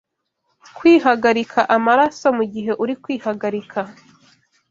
Kwihagarika amaraso mugihe uri kwihagarika